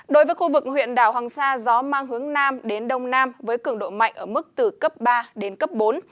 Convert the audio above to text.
đối với khu vực huyện đảo hoàng sa gió mang hướng nam đến đông nam với cường độ mạnh ở mức từ cấp ba đến cấp bốn